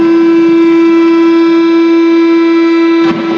tanda kebesaran buka